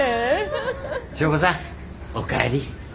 祥子さんお帰り。